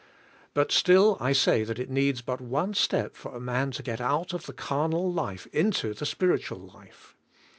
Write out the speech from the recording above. But still I say that it needs but one step for a man to get out of the carnal life into the spiritual life.